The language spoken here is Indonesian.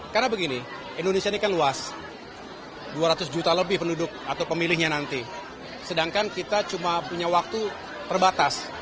karena begini indonesia ini kan luas dua ratus juta lebih penduduk atau pemilihnya nanti sedangkan kita cuma punya waktu perbatas